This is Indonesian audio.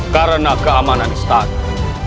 karena keamanan istana